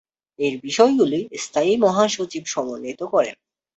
এর বিষয়গুলি স্থায়ী মহাসচিব সমন্বিত করেন।